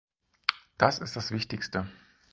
Das ist das Wichtigste.